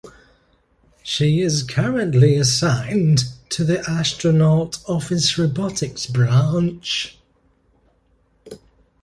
She is currently assigned to the Astronaut Office Robotics Branch.